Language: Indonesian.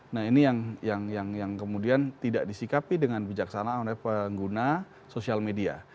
nah ini yang kemudian tidak disikapi dengan bijaksana oleh pengguna sosial media